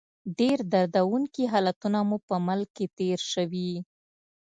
ډېر دردونکي حالتونه مو په ملک کې تېر شوي.